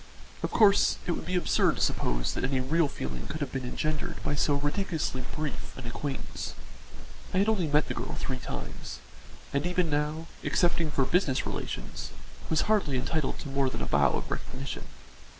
Of course it would be absurd to suppose that any real feeling could have been engendered by so ridiculously brief an acquaintance. I had only met the girl three times, and even now, excepting for business relations, was hardly entitled to more than a bow of recognition.